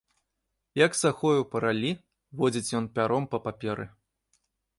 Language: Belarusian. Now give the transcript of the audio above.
Як сахою па раллі, водзіць ён пяром па паперы.